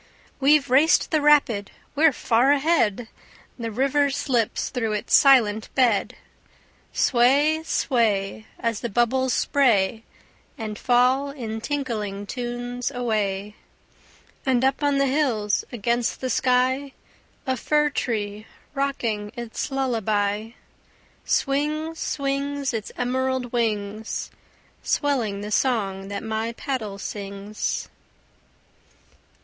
We've raced the rapid, we're far ahead! The river slips through its silent bed. Sway, sway, As the bubbles spray And fall in tinkling tunes away. And up on the hills against the sky, A fir tree rocking its lullaby, Swings, swings, Its emerald wings, Swelling the song that my paddle sings.